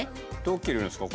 どう切るんですか？